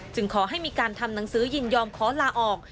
ขอให้มีการทำหนังสือยินยอมขอลาออก